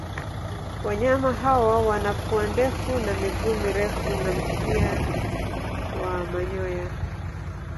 Wanyama hawa wana pua ndefu na miguu mirefu na mkia wa manyoya.